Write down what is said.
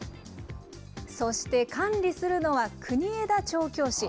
そして管理するのは、国枝調教師。